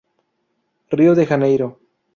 Rio de Janeiro".